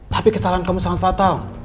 tapi kesalahan kamu sangat fatal